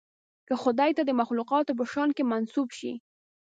که خدای ته د مخلوقاتو په شأن کې منسوب شي.